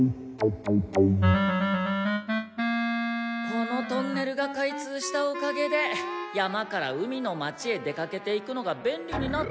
このトンネルが開通したおかげで山から海の町へ出かけていくのがべんりになったというわけか。